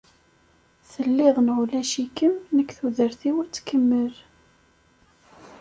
Telliḍ neɣ ulac-ikem, nekk tudert-iw ad tkemmel.